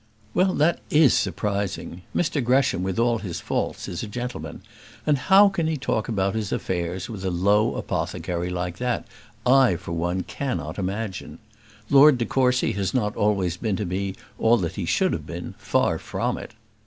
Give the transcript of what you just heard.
"Well, that is surprising. Mr Gresham, with all his faults, is a gentleman; and how he can talk about his affairs with a low apothecary like that, I, for one, cannot imagine. Lord de Courcy has not always been to me all that he should have been; far from it."